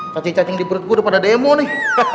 cacing cacing di perut gue udah pada demo nih